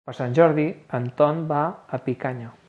Per Sant Jordi en Ton va a Picanya.